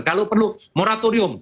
kalau perlu moratorium